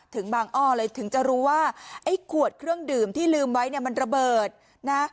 ถึงบางอ้อเลยถึงจะรู้ว่าไอ้ขวดเครื่องดื่มที่ลืมไว้เนี่ยมันระเบิดนะ